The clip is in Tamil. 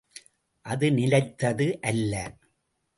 அது நிலைத்தது அல்ல.